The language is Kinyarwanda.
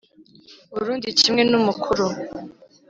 Urundi kimwe n umukuru